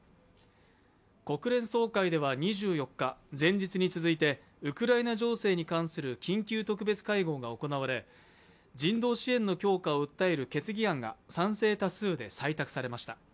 国連総会では２４日、前日に続いてウクライナ情勢に関する緊急特別会合が行われ人道支援の強化を訴える決議案が賛成多数で採択されました。